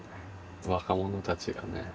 若者たちがね